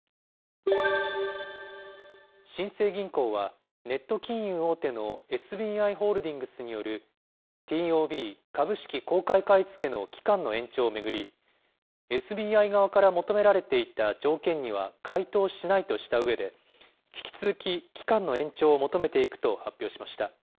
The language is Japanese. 新生銀行は、ネット金融大手のＳＢＩホールディングスによるＴＯＢ・株式公開買い付けの期間の延長を巡り、ＳＢＩ側から求められていた条件には回答しないとしたうえで、引き続き、期間の延長を求めていくと発表しました。